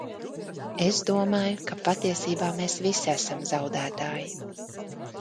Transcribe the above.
Es domāju, ka patiesībā mēs visi esam zaudētāji.